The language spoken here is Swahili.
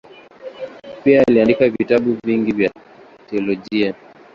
Pia aliandika vitabu vingi vya teolojia.